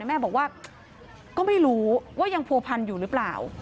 แม่บอกว่าก็ไม่รู้ว่ายังผัวพันอยู่หรือเปล่า